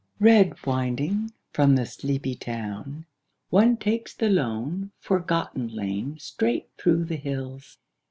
Red winding from the sleepy town, One takes the lone, forgotten lane Straight through the hills.